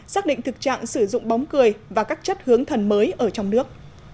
xác định thực trạng sử dụng bóng cười và các chất hướng thần mới ở trong nước